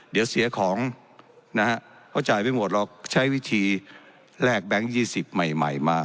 เดี๋ยวเสียของนะฮะเขาจ่ายไม่หมดหรอกใช้วิธีแลกแบงค์๒๐ใหม่ใหม่มา